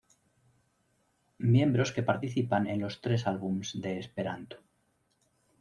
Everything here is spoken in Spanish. Miembros que participan en los tres albums de Esperanto.